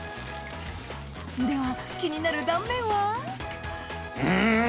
では気になる断面はん！